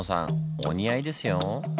お似合いですよ。